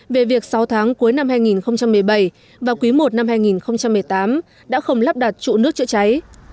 về việc sáu tháng cuối năm hai nghìn một mươi bảy và quý i năm hai nghìn một mươi tám đã không lắp đặt trụ nước chữa cháy